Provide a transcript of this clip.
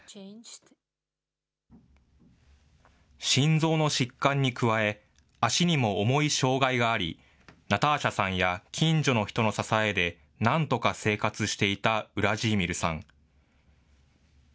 心臓の疾患に加え、足にも重い障害があり、ナターシャさんや近所の人の支えで、なんとか生活していたウラジーミルさん。